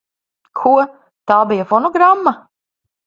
Ko? Tā bija fonogramma?